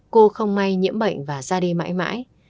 cô không may nhiễm bệnh và ra đi mãi mãi